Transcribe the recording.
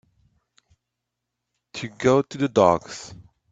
To go to the dogs